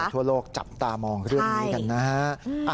ทั่วโลกจับตามองเรื่องนี้กันนะฮะ